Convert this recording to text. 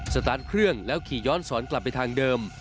สตาร์ทเครื่องแล้วขี่ย้อนสอนกลับไปทางเดิม